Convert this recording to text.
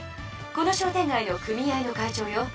この商店がいの組合の会長よ。